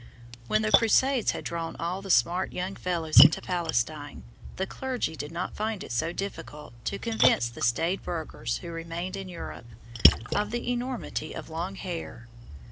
When the Crusades had drawn all the smart young fellows into Palestine, the clergy did not find it so difficult to convince the staid burghers who remained in Europe, of the enormity of long hair.